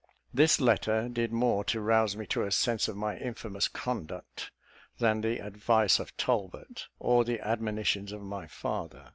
This letter did more to rouse me to a sense of my infamous conduct than the advice of Talbot, or the admonitions of my father.